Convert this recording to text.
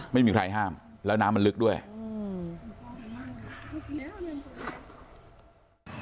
ไม่มีใครห้ามแล้วน้ำมันลึกด้วยอืม